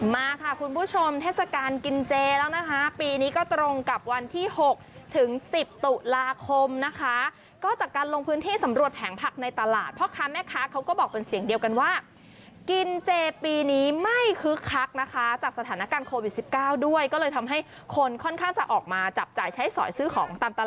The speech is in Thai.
มาค่ะคุณผู้ชมเทศกาลกินเจแล้วนะคะปีนี้ก็ตรงกับวันที่๖ถึง๑๐ตุลาคมนะคะก็จากการลงพื้นที่สำรวจแผงผักในตลาดพ่อค้าแม่ค้าเขาก็บอกเป็นเสียงเดียวกันว่ากินเจปีนี้ไม่คึกคักนะคะจากสถานการณ์โควิด๑๙ด้วยก็เลยทำให้คนค่อนข้างจะออกมาจับจ่ายใช้สอยซื้อของตามต